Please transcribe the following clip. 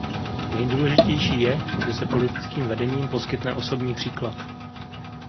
Nejdůležitější je, že se politickým vedením poskytne osobní příklad.